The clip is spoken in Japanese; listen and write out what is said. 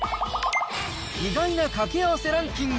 意外なかけあわせランキング。